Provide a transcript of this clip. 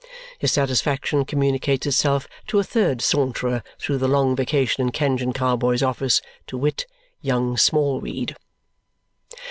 His satisfaction communicates itself to a third saunterer through the long vacation in Kenge and Carboy's office, to wit, Young Smallweed.